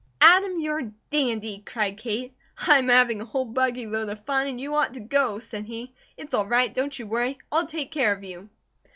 "Adam, you're a dandy!" cried Kate. "I am having a whole buggy load of fun, and you ought to go," said he. "It's all right! Don't you worry! I'll take care of you."